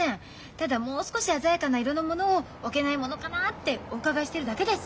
ただもう少し鮮やかな色のものを置けないものかなってお伺いしてるだけです。